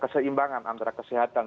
keseimbangan antara kesehatan